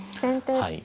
はい。